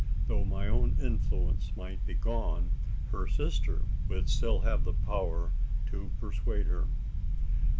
Though my own influence might be gone, her sister would still have the power to persuade her?